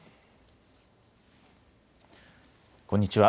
こんにちは。